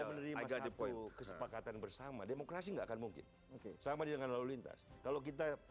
menerima satu kesepakatan bersama demokrasi gak akan mungkin sama dengan lalu lintas kalau kita